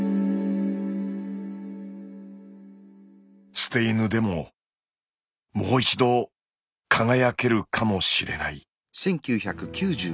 捨て犬でももう一度輝けるかもしれない。